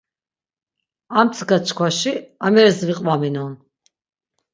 Armtsika çkvaşi ameris viqvaminon.